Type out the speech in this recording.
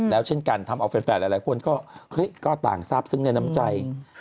แล้วเช่นกันทำออกแฟนอะไรคุณก็ต่างทรัพย์ซึ่งในน้ำใจ